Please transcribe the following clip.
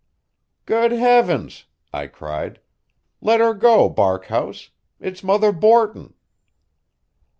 "Good heavens!" I cried. "Let her go, Barkhouse. It's Mother Borton."